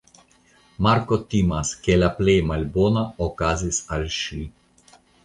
Marko timas ke la plej malbona okazis al ŝi.